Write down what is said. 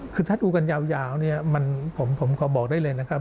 คือถ้าดูกันยาวเนี่ยผมขอบอกได้เลยนะครับ